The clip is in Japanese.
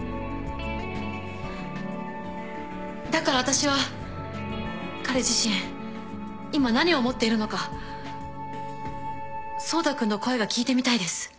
だから私は彼自身今何を思っているのか走太君の声が聞いてみたいです